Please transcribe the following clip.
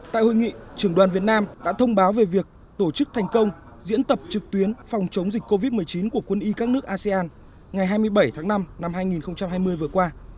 tại hội nghị trưởng đoàn việt nam đã thông báo về việc tổ chức thành công diễn tập trực tuyến phòng chống dịch covid một mươi chín của quân y các nước asean ngày hai mươi bảy tháng năm năm hai nghìn hai mươi vừa qua